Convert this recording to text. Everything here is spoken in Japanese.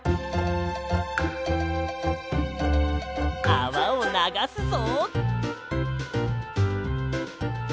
あわをながすぞ。